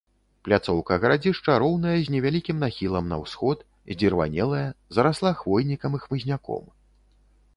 Пляцоўка гарадзішча роўная, з невялікім нахілам на ўсход, здзірванелая, зарасла хвойнікам і хмызняком.